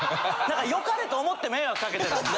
良かれと思って迷惑掛けてるんで。